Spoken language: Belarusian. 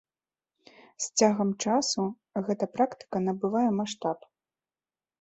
З цягам часу гэта практыка набывае маштаб.